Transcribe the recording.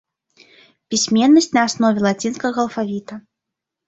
Пісьменнасць на аснове лацінскага алфавіта.